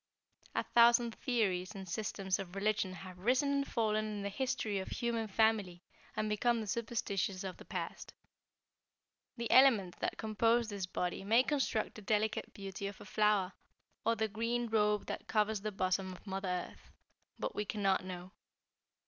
"A thousand theories and systems of religion have risen and fallen in the history of the human family, and become the superstitions of the past. The elements that compose this body may construct the delicate beauty of a flower, or the green robe that covers the bosom of Mother Earth, but we cannot know."